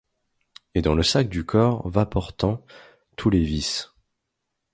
Et dans le sac du corps vas portant tous les vices